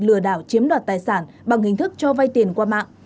lừa đảo chiếm đoạt tài sản bằng hình thức cho vay tiền qua mạng